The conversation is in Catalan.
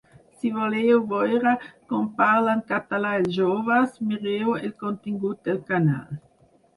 Si voleu veure com parlen català els joves, mireu el contingut del canal.